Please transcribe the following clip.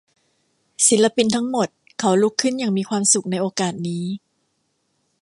ศิลปินทั้งหมดเขาลุกขึ้นอย่างมีความสุขในโอกาสนี้